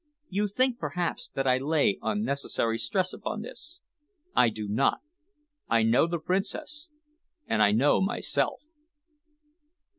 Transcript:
You think, perhaps, that I lay unnecessary stress upon this. I do not. I know the Princess and I know myself."